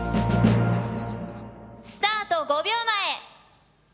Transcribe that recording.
スタート５秒前。